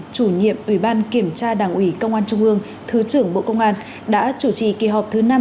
chủ nhiệm ủy ban kiểm tra đảng ủy công an trung ương thứ trưởng bộ công an đã chủ trì kỳ họp thứ năm